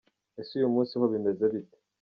Ese uyu munsi ho bimeze bite ?